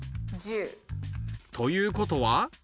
１０。ということは？